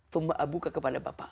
tumba abuka kepada bapak